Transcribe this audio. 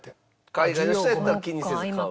海外の人やったら気にせず買う？